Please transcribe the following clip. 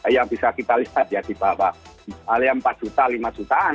yang bisa kita lihat ya di bawah misalnya empat juta lima jutaan